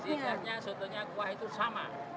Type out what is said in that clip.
ciri khasnya sotonya kuah itu sama